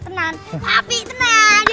tenang papi tenang